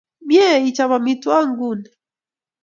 Mye ichop amitwogik inguni